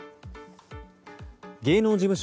芸能事務所